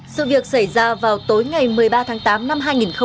sự việc xảy ra vào tối ngày một mươi ba tháng tám năm hai nghìn hai mươi ba